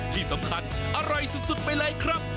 ที่สำคัญอร่อยสุดไปเลยครับ